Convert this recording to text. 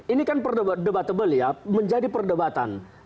ini kan perdebatable ya menjadi perdebatan